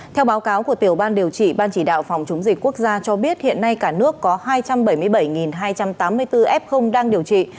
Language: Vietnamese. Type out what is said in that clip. theo báo cáo của tiểu ban điều trị ban chỉ đạo phòng chống dịch quốc gia cho biết hiện nay cả nước có hai trăm bảy mươi bảy hai trăm tám mươi bốn f đang điều trị